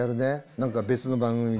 何か別の番組で。